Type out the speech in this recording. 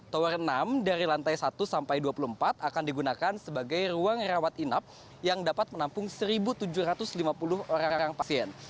tower enam dari lantai satu sampai dua puluh empat akan digunakan sebagai ruang rawat inap yang dapat menampung satu tujuh ratus lima puluh orang orang pasien